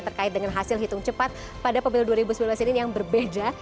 terkait dengan hasil hitung cepat pada pemilu dua ribu sembilan belas ini yang berbeda